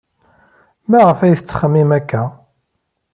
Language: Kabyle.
Maɣef ay tettxemmim akka?